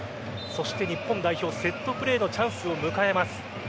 日本代表セットプレーのチャンスを迎えます。